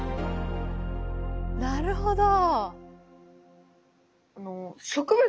なるほど。